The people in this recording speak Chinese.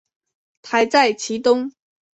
台在其东。